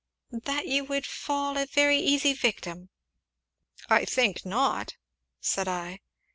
"That you would fall a very easy victim!" "I think not," said I.